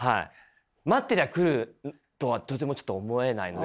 待ってりゃ来るとはとてもちょっと思えないので。